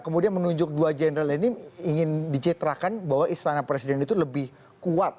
kemudian menunjuk dua jenderal ini ingin dicetrakan bahwa istana presiden itu lebih kuat